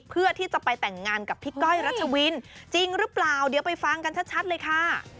เพื่อที่จะไปแต่งงานกับพี่ก้อยรัชวินจริงหรือเปล่าเดี๋ยวไปฟังกันชัดเลยค่ะ